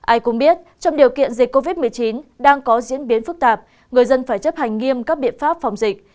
ai cũng biết trong điều kiện dịch covid một mươi chín đang có diễn biến phức tạp người dân phải chấp hành nghiêm các biện pháp phòng dịch